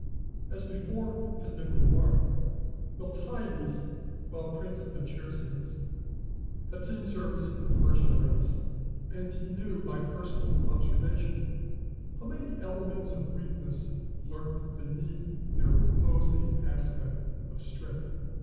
As before has been remarked, Miltiades, while prince of the Chersonese, had seen service in the Persian armies; and he knew by personal observation how many elements of weakness lurked beneath their imposing aspect of strength.